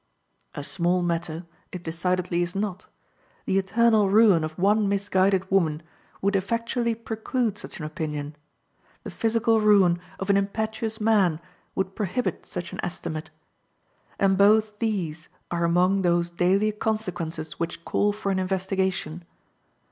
A small matter it decidedly is not: the eternal ruin of one misguided woman would effectually preclude such an opinion; the physical ruin of an impetuous man would prohibit such an estimate, and both these are among those daily consequences which call for an investigation.